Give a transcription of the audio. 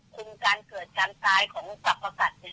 คุมการเกิดการตายของศักดิ์ประกัติเนี่ย